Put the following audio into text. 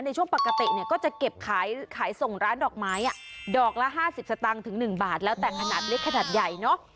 ในช่วงปกติเนี่ยก็จะเก็บขายส่งร้านดอกไม้ดอกละ๕๐สตางค์ถึง๑บาทแล้วแต่ขนาดเล็กขนาดใหญ่เนอะ